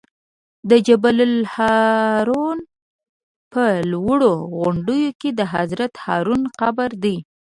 د جبل الهارون په لوړو غونډیو کې د حضرت هارون قبر دی.